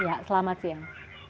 ya selamat siang